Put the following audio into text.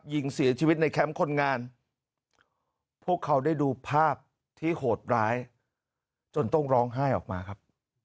ยิงเสียชีวิตในแคมป์คนงานพวกเขาได้ดูภาพที่โหดร้ายจนต้องร้องไห้ออกมาครับ